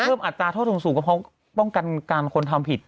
อัตราโทษสูงก็เพราะป้องกันการคนทำผิด